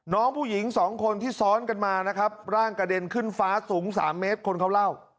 น้องผู้หญิงสองคนที่ซ้อนกันมานะครับร่างกระเด็นขึ้นฟ้าสูง๓เมตรคนเขาเล่า